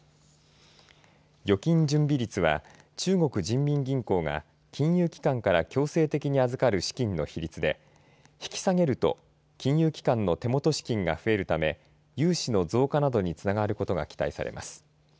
預金準備率は中国人民銀行が金融機関から強制的に預かる資金の比率で引き下げると金融機関の手元資金が増えるため融資の増加などにつながることが期待されます。